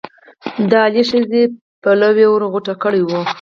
د علي د ښځې پلو یې ور غوټه کړی وو.